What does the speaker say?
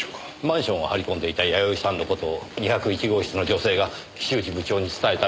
マンションを張り込んでいたやよいさんの事を２０１号室の女性が岸内部長に伝えたのでしょうね。